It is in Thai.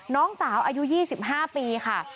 น้องสาวอายุ๒๕ปีค่ะ